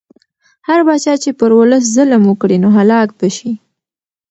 هر پاچا چې پر ولس ظلم وکړي نو هلاک به شي.